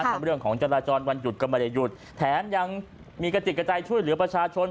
เรื่องของจราจรวันหยุดก็ไม่ได้หยุดแถมยังมีกระจิกกระใจช่วยเหลือประชาชน